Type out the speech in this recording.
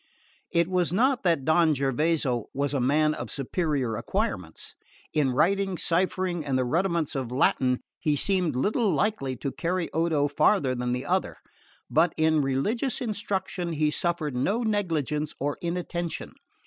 It was not that Don Gervaso was a man of superior acquirements: in writing, ciphering and the rudiments of Latin he seemed little likely to carry Odo farther than the other; but in religious instruction he suffered no negligence or inattention.